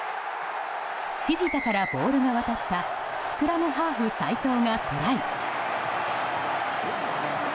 フィフィタからボールが渡ったスクラムハーフ齋藤がトライ。